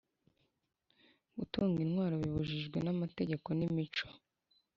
gutunga intwaro bibujijwe n amategeko n imico